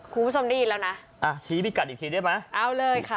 คุณผู้ชมได้ยินแล้วนะอ่าชี้พิกัดอีกทีได้ไหมเอาเลยค่ะ